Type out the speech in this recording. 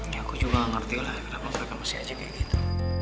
ya aku juga ngerti lah kenapa mereka masih aja kayak gitu